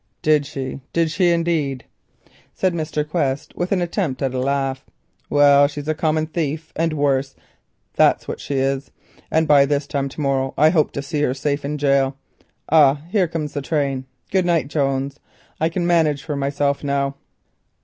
"Did she—did she indeed?" said Mr. Quest, with an attempt at a laugh. "Well, she's a common thief and worse, that's what she is, and by this time to morrow I hope to see her safe in gaol. Ah! here comes the train. Good night, Jones. I can manage for myself now."